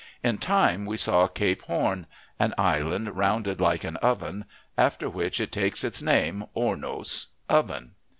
In time we saw Cape Horn; an island rounded like an oven, after which it takes its name (Ornos) oven.